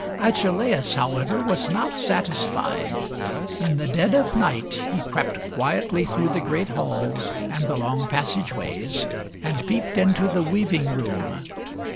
Agelaus, however, was not satisfied. In the dead of night he crept quietly through the great hall and the long passageways, and peeped into the weaving room.